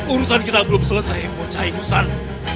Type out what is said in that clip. urusan kita belum selesai bu cahingusan